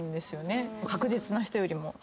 確実な人よりも。